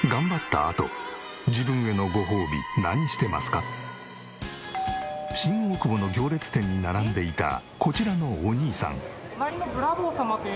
皆さんは新大久保の行列店に並んでいたこちらのお兄さん。